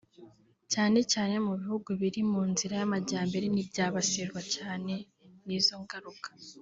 cyane cyane mu bihugu biri mu nzira y’amajyambere n’ibyabasirwa cyane n’izo ngaruka